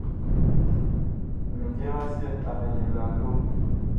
Mindiga sig ag nyɛɛ Nlom.